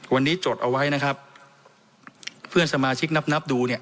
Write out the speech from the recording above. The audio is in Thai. วันนี้จดเอาไว้นะครับเพื่อนสมาชิกนับนับดูเนี่ย